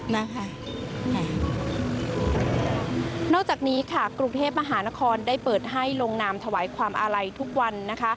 นอกจากนี้ค่ะกรุงเทพมหานครได้เปิดให้ลงนามถวายความอาลัยทุกวันนะคะ